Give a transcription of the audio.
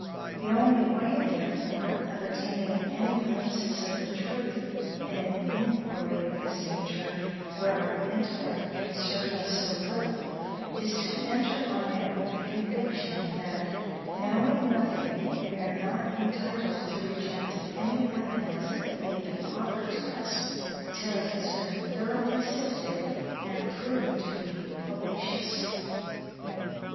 The only way, therefore, of attaining any glimpses of the truth in an inquiry of this nature, where our intellect can serve us so little, is to enter on it with the conviction that, knowing nothing, we are not entitled to reject any evidence that may be offered to us, till it has been thoroughly sifted, and proved to be fallacious.